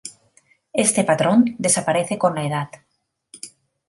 Este patrón desaparece con la edad.